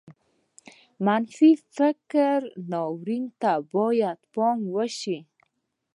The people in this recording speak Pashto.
د منفي فکر ناورين ته بايد پام وشي.